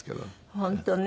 本当ね。